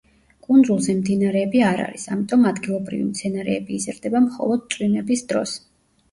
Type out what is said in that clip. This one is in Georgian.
კუნძულზე მდინარეები არ არის, ამიტომ ადგილობრივი მცენარეები იზრდება მხოლოდ წვიმების დროს.